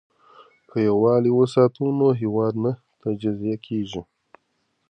که یووالي وساتو نو هیواد نه تجزیه کیږي.